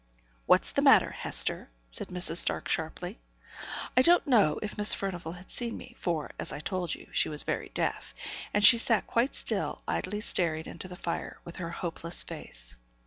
'What's the matter, Hester?' said Mrs. Stark, sharply. I don't know if Miss Furnivall had seen me, for, as I told you, she was very deaf, and she sat quite still, idly staring into the fire, with her hopeless face.